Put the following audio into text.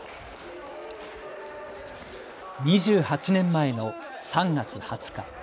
２８年前の３月２０日。